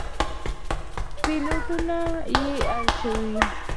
پلېټونه يې الېشوي.